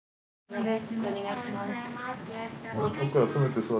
お願いします。